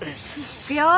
行くよ。